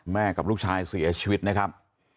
กับลูกชายเสียชีวิตนะครับ